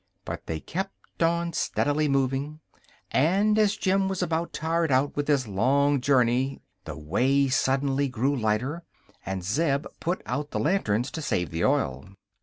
But they kept steadily moving, and just as Jim was about tired out with his long journey the way suddenly grew lighter, and Zeb put out the lanterns to save the oil.